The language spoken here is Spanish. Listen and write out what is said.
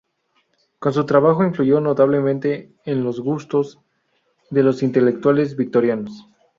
Con su trabajo, influyó notablemente en los gustos de los intelectuales victorianos.